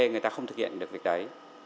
nó không thực hiện được việc đấy